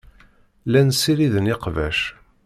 Llan ssiriden iqbac.